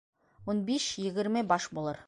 Ун биш-егерме баш булыр.